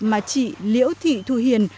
mà chị liễu thị thu hiền